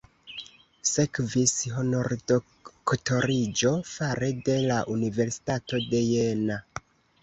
Sekvis honordoktoriĝo fare de la Universitato de Jena.